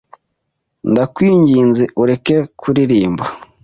Ndakwinginze ureke kuririmba?